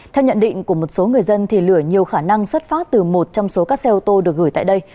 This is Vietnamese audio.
theo nhận định của một số người dân lửa nhiều khả năng xuất phát từ một trong số các xe ô tô được gửi tại đây